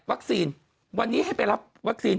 วัคซีนวันนี้ให้ไปรับวัคซีน